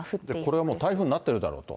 これはもう、台風になってるだろうと。